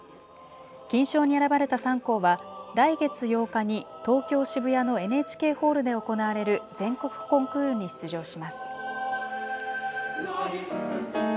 金賞に選ばれた３校は、来月８日に東京・渋谷のＮＨＫホールで行われる全国コンクールに出場します。